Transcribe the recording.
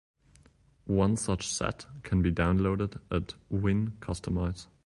One such set can be downloaded at WinCustomize.